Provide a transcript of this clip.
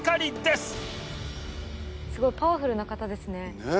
すごいパワフルな方ですねねぇ